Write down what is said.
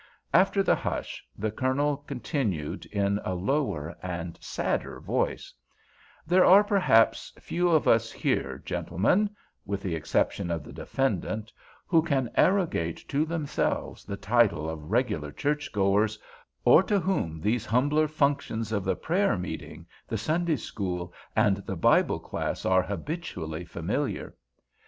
After the hush, the Colonel continued in a lower and sadder voice: "There are, perhaps, few of us here, gentlemen—with the exception of the defendant—who can arrogate to themselves the title of regular churchgoers, or to whom these humbler functions of the prayer meeting, the Sunday school, and the Bible class are habitually familiar.